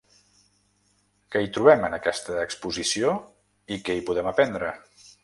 Què hi trobem, en aquesta exposició, i què hi podem aprendre?